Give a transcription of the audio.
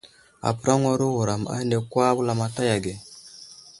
Apəraŋwaro wuram ane kwa wulamataya age.